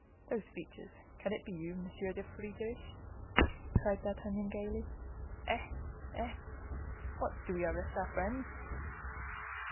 "Those features! Can it be you, Monsieur de Friedisch?" cried D'Artagnan, gayly. "Eh! eh! what, do we arrest our friends?"